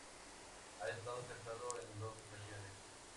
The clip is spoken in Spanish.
Ha estado casada en dos ocasiones.